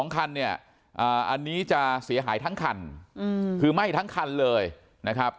๒คันเนี่ยอันนี้จะเสียหายทั้งคันคือไหม้ทั้งคันเลยนะครับ